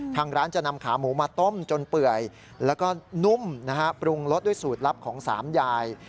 ทางร้านจะนำขาหมูมาต้มจนเปื่อยแล้วก็นุ่มนะฮะปรุงรสด้วยสูตรลับของสามยาย